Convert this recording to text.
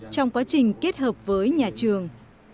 trong quá trình kết hợp với nhà trường